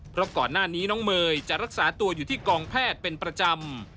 เพราะก่อนหน้านี้น้องเมย์จะรักษาตัวอยู่ที่กองแพทย์เป็นประจำ